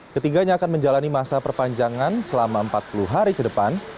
ketiganya akan menjalani masa perpanjangan selama empat puluh hari ke depan